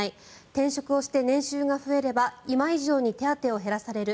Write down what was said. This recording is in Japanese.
転職して年収が増えれば今以上に手当てを減らされる。